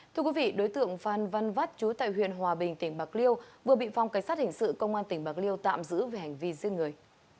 thưa quý vị đối tượng phan văn vắt trú tại huyện hòa bình tỉnh bạc liêu vừa bị phong cảnh sát hình sự công an tỉnh bạc liêu tạm giữ về hành vi giết người